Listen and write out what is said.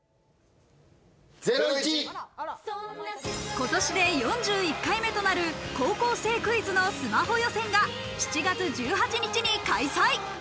今年で４１回目となる『高校生クイズ』のスマホ予選が７月１８日に開催。